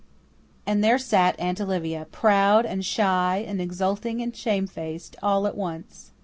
And there sat Aunt Olivia, proud and shy and exulting and shamefaced, all at once!